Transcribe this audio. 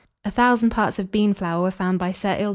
A thousand parts of bean flour were found by Sir II.